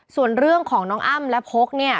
ส่วนเรื่องของน้องอ้ำและพกเนี่ย